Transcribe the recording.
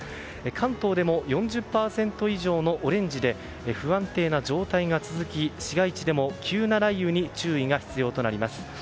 関東でも４０％以上のオレンジで不安定な状態が続き市街地でも急な雷雨に注意が必要となります。